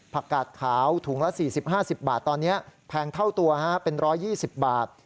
กาดขาวถุงละ๔๐๕๐บาทตอนนี้แพงเท่าตัวเป็น๑๒๐บาท